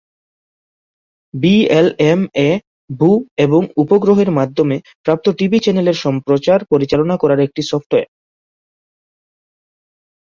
ভিএলএম-এ ভু এবং উপগ্রহের মাধ্যমে প্রাপ্ত টিভি চ্যানেলের সম্প্রচার পরিচালনা করার একটি সফটওয়্যার।